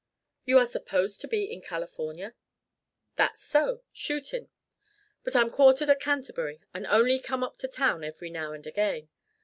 "You are supposed to be in California?" "That's so shootin'. But I'm quartered at Canterbury, and only come up to town every now and again.